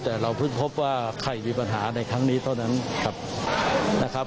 แต่เราเพิ่งพบว่าใครมีปัญหาในครั้งนี้เท่านั้นครับนะครับ